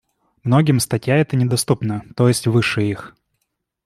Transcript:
Многим статья эта недоступна, то есть выше их.